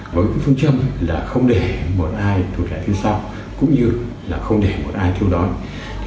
với phương châm là không để một ai thu trẻ thiếu sao cũng như là không để một ai thiếu đói